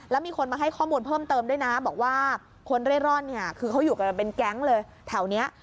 แล้วมีคนมาให้ข้อมูลเพิ่มเติมด้วยนะบอกว่าคนเร่ร่อนเนี่ยคือเขาอยู่กันเป็นแก๊งเลยแถวนี้